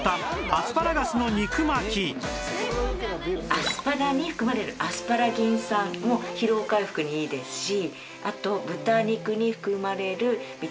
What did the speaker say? アスパラに含まれるアスパラギン酸も疲労回復にいいですしあと豚肉に含まれるビタミンＢ群。